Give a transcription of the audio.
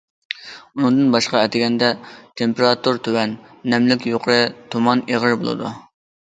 ئۇنىڭدىن باشقا ئەتىگەندە تېمپېراتۇرا تۆۋەن، نەملىك يۇقىرى، تۇمان ئېغىر بولىدۇ.